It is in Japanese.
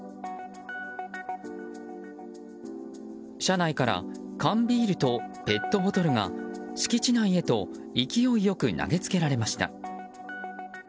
車内から缶ビールとペットボトルが敷地内へと勢い良く投げつけられました。